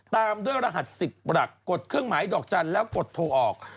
ตามด้วยรหัส๑๐หลักกดเครื่องหมายดอกจันทร์แล้วกดโทรออก